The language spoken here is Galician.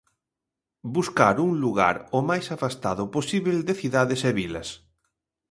Buscar un lugar o máis afastado posíbel de cidades e vilas.